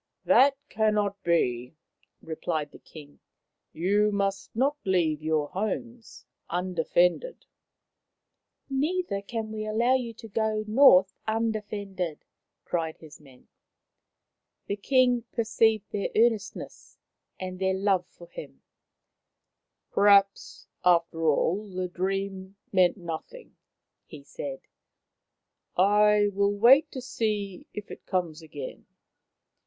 " That cannot be," replied the King. " You must not leave your homes undefended." " Neither can we allow you to go north un defended," cried his men. The King perceived their earnestness and their The King and the Fairies 103 love for him. " Perhaps, after all, the dream meant nothing," he said. " I will wait to see if it comes again."